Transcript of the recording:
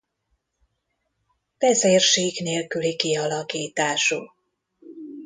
Vezérsík nélküli kialakítású.